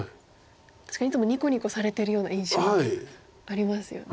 確かにいつもニコニコされてるような印象がありますよね。